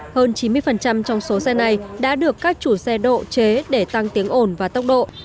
hơn chín mươi trong số xe này đã được các chủ xe độ chế để tăng tiếng ổn và tốc độ